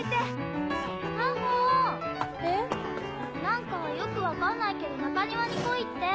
何かよく分かんないけど中庭に来いって。